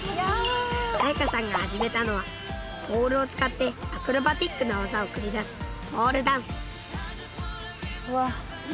彩夏さんが始めたのはポールを使ってアクロバティックな技を繰り出すポールダンス。